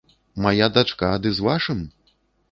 Мая дачка ды з вашым?